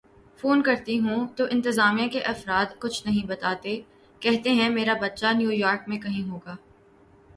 phone کرتی ہوں تو انتظامیہ کے افراد کچھ نہیں بتاتے کہتے ہیں میرا بچہ نیویارک میں کہیں ہوگا